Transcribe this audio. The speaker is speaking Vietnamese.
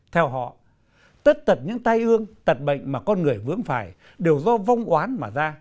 theo họ tất tật những tai ương tật bệnh mà con người vướng phải đều do vong oán mà ra